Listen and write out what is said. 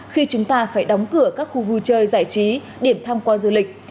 khi chúng ta phải đóng cửa các khu vui chơi giải trí điểm tham quan du lịch